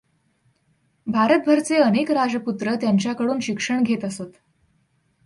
भारतभरचे अनेक राजपुत्र त्यांच्याकडून शिक्षण घेत असत.